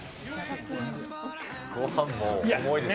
ごはんも重いですよ。